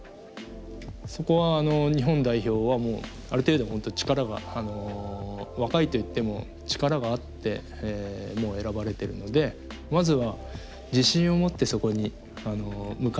そこは日本代表はもうある程度本当に力が若いと言っても力があって選ばれてるのでまずは自信を持ってそこに向かっていけるように。